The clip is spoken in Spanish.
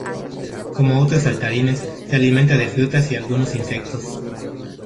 Como otros saltarines se alimenta de frutas y algunos insectos.